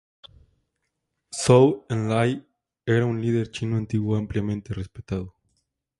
Zhou Enlai era un líder chino antiguo ampliamente respetado.